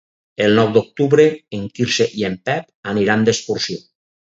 El nou d'octubre en Quirze i en Pep aniran d'excursió.